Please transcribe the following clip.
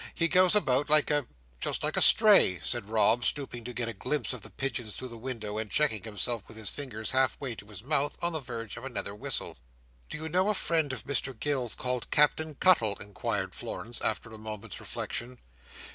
He goes about, like a—just like a stray," said Rob, stooping to get a glimpse of the pigeons through the window, and checking himself, with his fingers half way to his mouth, on the verge of another whistle. "Do you know a friend of Mr Gills, called Captain Cuttle?" inquired Florence, after a moment's reflection.